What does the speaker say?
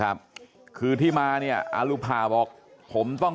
ชาวบ้านในพื้นที่บอกว่าปกติผู้ตายเขาก็อยู่กับสามีแล้วก็ลูกสองคนนะฮะ